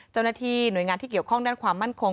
เจ้าหน้าที่หน่วยงานที่เกี่ยวข้องด้านความมั่นคง